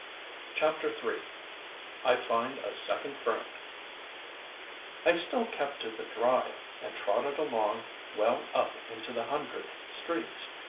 CHAPTER III I FIND A SECOND FRIEND I still kept to the Drive, and trotted along well up into the hundredth streets.